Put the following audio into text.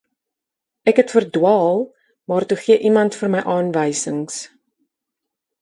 Ek het verdwaal, maar toe gee iemand vir my aanwysings.